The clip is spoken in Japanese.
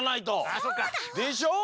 あそっか。でしょう？